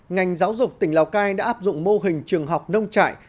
ngành giáo dục tỉnh lào cai đã áp dụng mô hình trường học nông trại